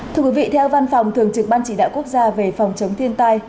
thưa quý vị theo văn phòng thường trực ban chỉ đạo quốc gia về phòng chống thiên tai